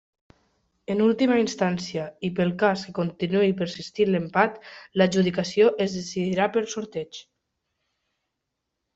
En última instància i pel cas que continuï persistint l'empat, l'adjudicació es decidirà per sorteig.